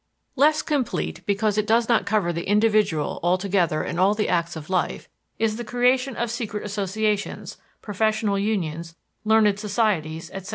Less complete because it does not cover the individual altogether in all the acts of life is the creation of secret associations, professional unions, learned societies, etc.